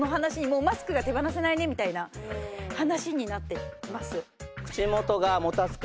もうマスクが手放せないねみたいな話になってます。